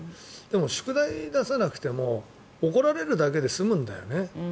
宿題を出さなくても怒られるだけで済むんだよね。